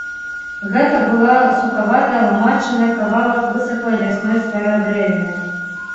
Гэта была сукаватая ламачына, кавалак высахлай лясной старадрэвіны.